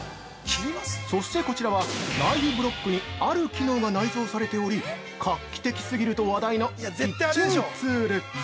◆そしてこちらはナイフブロックにある機能が内蔵されており画期的すぎると話題のキッチンツール！。